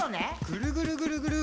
ぐるぐるぐるぐる。